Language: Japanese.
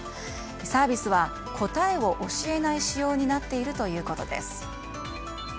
サービスは答えを教えない仕様になっているということです。